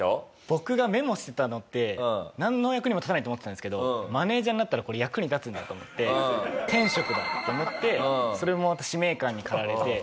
僕がメモしてたのってなんの役にも立たないと思ってたんですけどマネジャーになったらこれ役に立つんだと思って天職だと思ってそれもまた使命感に駆られて。